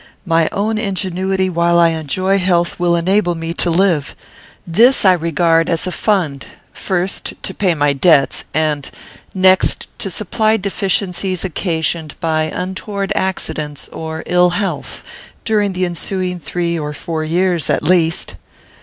My own ingenuity, while I enjoy health, will enable me to live. This I regard as a fund, first to pay my debts, and next to supply deficiencies occasioned by untoward accidents or ill health, during the ensuing three or four years at least."